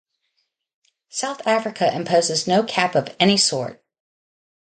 South Africa imposes no cap of any sort.